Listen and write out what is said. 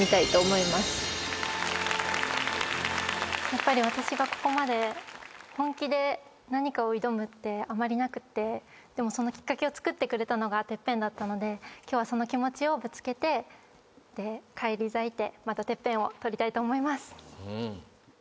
やっぱり私がここまで本気で何かを挑むってあまりなくってでもそのきっかけをつくってくれたのがＴＥＰＰＥＮだったので今日はその気持ちをぶつけて返り咲いてまたＴＥＰＰＥＮを取りたいと思います。